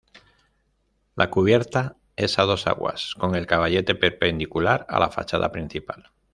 La cubierta es a dos aguas, con el caballete perpendicular a la fachada principal.